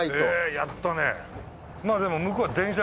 やったね。